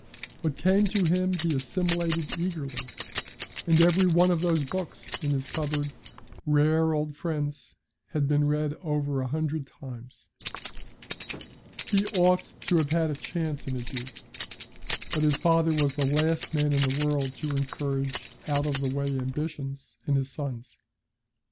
What came to him he assimilated eagerly, and every one of those books in his cupboard, rare old friends, had been read over a hundred times. He ought to have had a chance in his youth, but his father was the last man in the world to encourage out of the way ambitions in his sons.